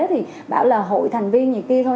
thì bảo là hội thành viên như kia thôi